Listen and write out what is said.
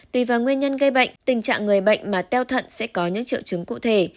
tùy vào nguyên nhân gây bệnh tình trạng người bệnh mà teo thận sẽ có những triệu chứng cụ thể